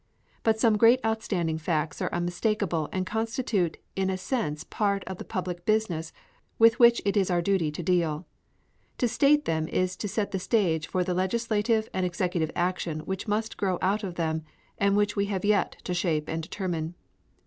But some great outstanding facts are unmistakable and constitute in a sense part of the public business with which it is our duty to deal. To state them is to set the stage for the legislative and executive action which must grow out of them and which we have yet to shape and determine.